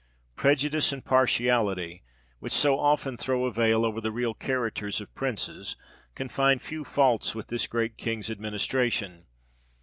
Prejudice and partiality which so often throw a veil over the real characters of princes can find few faults with this great king's administration.